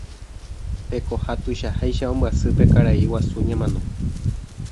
Tekoha tuichaháicha ombyasy pe karai guasu ñemano.